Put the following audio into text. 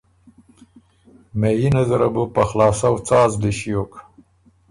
مهيينه زره بو په خلاصؤ څا زلی ݭیوک؟